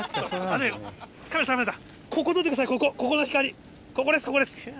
ここです